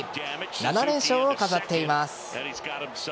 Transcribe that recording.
７連勝を飾っています。